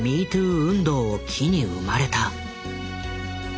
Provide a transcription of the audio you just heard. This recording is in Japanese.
運動を機に生まれた。